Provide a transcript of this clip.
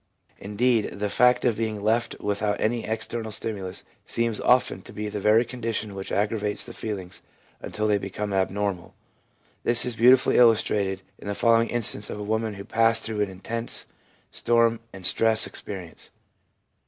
Indeed, the fact of being left without any external stimulus seems often to be the very condition which aggravates the feelings until they become abnormal. This is beautifully illustrated in the following instance of a woman who passed through an intense storm and stress experience.